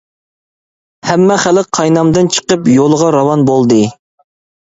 ھەممە خەلق قاينامدىن چىقىپ يولىغا راۋان بولدى.